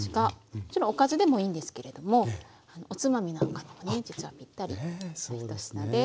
もちろんおかずでもいいんですけれどもおつまみなんかにもね実はぴったりの１品です。